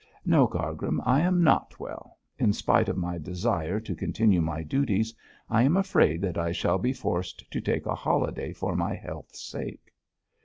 'No, Cargrim, I am not well. In spite of my desire to continue my duties, I am afraid that I shall be forced to take a holiday for my health's sake.'